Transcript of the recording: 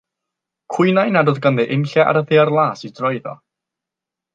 Cwynai nad oedd ganddo unlle ar y ddaear las i droi iddo.